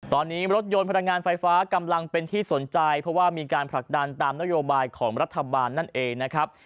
ตอนนี้รถยนต์พลังงานไฟฟ้ากำลังเป็นที่สนใจเพราะว่ามีการผลักดันตามนโยบายของรัฐบาลนั่นเองนะครับ